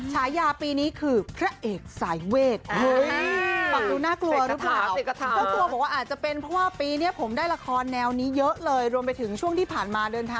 ฉายาปีนี้คือพระเอกสายเวท